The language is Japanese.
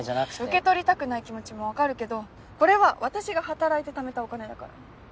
受け取りたくない気持ちも分かるけどこれは私が働いてためたお金だから。